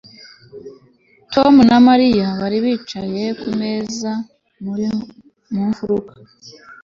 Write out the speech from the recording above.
Tom na Mariya bari bicaye kumeza mu mfuruka